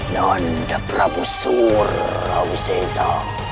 nanda prabu surrawi seja